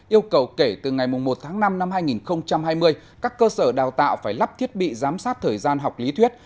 yêu cầu kể từ ngày một tháng năm năm hai nghìn hai mươi các cơ sở đào tạo phải lắp thiết bị giám sát thời gian học lý thuyết